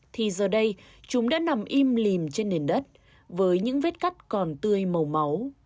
thì giờ đây chúng đã nằm im lìm trên nền đất với những vết cắt còn tươi màu máu